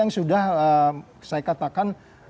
yang sudah saya katakan